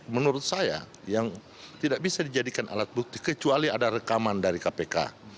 menurut saya yang tidak bisa dijadikan alat bukti kecuali ada rekaman dari kpk